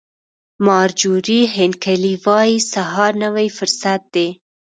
مارجوري هینکلي وایي سهار نوی فرصت دی.